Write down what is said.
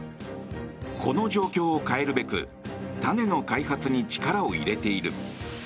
この状況を変えるべく種の開発に力を入れている。